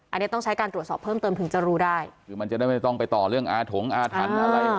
อันนี้ต้องใช้การตรวจสอบเพิ่มเติมถึงจะรู้ได้คือมันจะได้ไม่ต้องไปต่อเรื่องอาถงอาถรรพ์อะไร